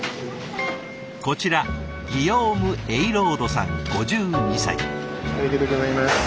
こちらギヨーム・エイロードさん５２歳。